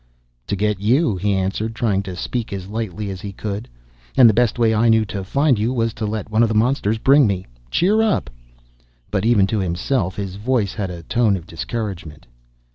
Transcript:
"To get you," he answered, trying to speak as lightly as he could. "And the best way I knew to find you was to let one of the monsters bring me. Cheer up!" But even to himself, his voice had a tone of discouragement.